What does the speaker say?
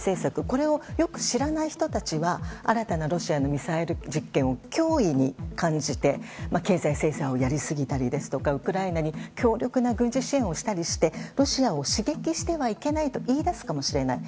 これをよく知らない人たちは新たなロシアのミサイル実験を脅威に感じて経済制裁をやりすぎたりですとかウクライナに軍事支援をしたりしてロシアを刺激してはいけないと言い出すかもしれない。